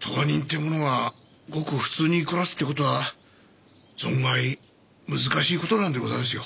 咎人っていうものはごく普通に暮らすって事は存外難しい事なんでございますよ。